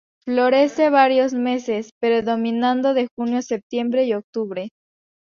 Florece varios meses, predominando de junio a septiembre y octubre.